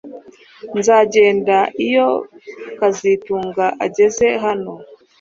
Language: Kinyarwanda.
Nzagenda iyo kazitunga ageze hano